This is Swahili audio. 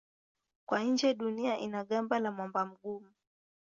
Kwa nje Dunia ina gamba la mwamba mgumu.